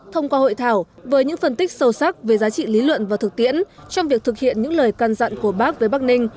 thông qua hội thảo với những phân tích sâu sắc về giá trị lý luận và thực tiễn trong việc thực hiện những lời can dặn của bắc với bắc ninh